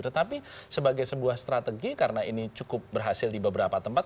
tetapi sebagai sebuah strategi karena ini cukup berhasil di beberapa tempat